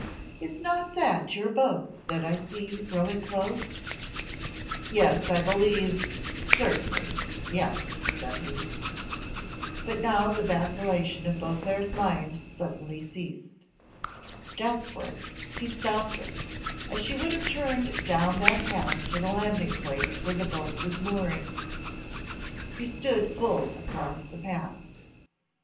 "Is not that your boat that I see, rowing close?" "Yes, I believe certainly. Yes," said he. But now the vacillation of Beauclerc's mind suddenly ceased. Desperate, he stopped her, as she would have turned down that path to the landing place where the boat was mooring. He stood full across the path.